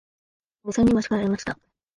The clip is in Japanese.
嫁さんにも叱られました。